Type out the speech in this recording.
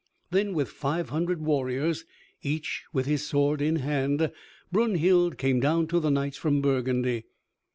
Then with five hundred warriors, each with his sword in hand, Brunhild came down to the knights from Burgundy.